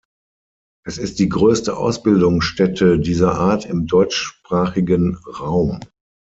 Es ist die größte Ausbildungsstätte dieser Art im deutschsprachigen Raum.